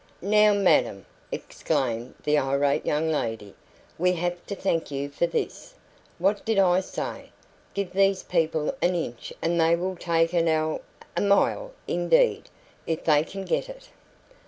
"Now, madam!" exclaimed the irate young lady, "we have to thank you for this. What did I say? Give these people an inch and they will take an ell a mile indeed, if they can get it."